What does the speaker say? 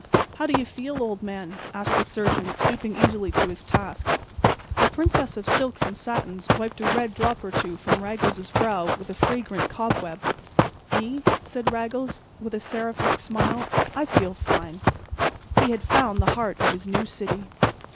"How do you feel, old man?" asked the surgeon, stooping easily to his task. The princess of silks and satins wiped a red drop or two from Raggles's brow with a fragrant cobweb. "Me?" said Raggles, with a seraphic smile, "I feel fine." He had found the heart of his new city.